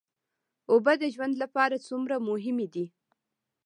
اوبه د ژوند لپاره څومره مهمې دي